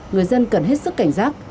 người dân cần hết sức cảnh giác